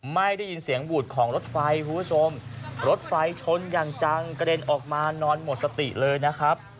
ไม่ได้ยินเสียงบูดของรถไฟคุณผู้ชมรถไฟชนอย่างจังกระเด็นออกมานอนหมดสติเลยนะครับ